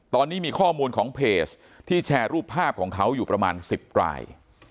ตอนนี้มีข้อมูลของเพจที่แชร์รูปภาพของเขาอยู่ประมาณ๑๐ราย